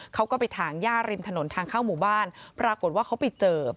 เขาก็ไปถางย่าริมถนนทางเข้าหมู่บ้านปรากฏว่าเขาไปเจอ